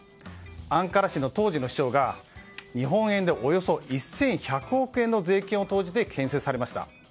アンカラ市の当時の市長が日本円でおよそ１１００億円の税金を投じて建設されました。